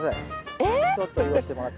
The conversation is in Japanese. えっ！